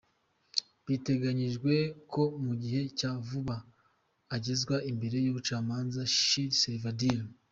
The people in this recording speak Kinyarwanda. Biteganyijwe ko mu gihe cya vuba agezwa imbere yumucamaza Shira Svheindlin.